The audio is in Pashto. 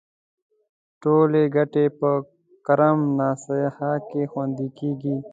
ټولې ګټې په کرم ناسا کې خوندي کیږي.